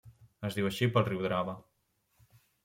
Es diu així pel riu Drava.